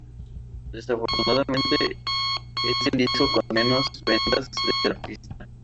Desafortunadamente es el disco con menos ventas de la artista.